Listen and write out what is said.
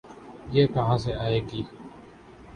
یہ کہاں سے آئے گی؟